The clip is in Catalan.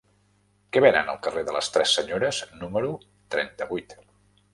Què venen al carrer de les Tres Senyores número trenta-vuit?